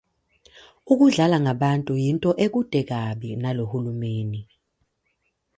Ukudlala ngabantu yinto ekude kabi nalo Hulumeni.